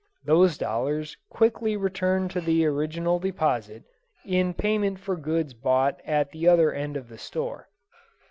Those dollars quickly returned to the original deposit, in payment for goods bought at the other end of the store.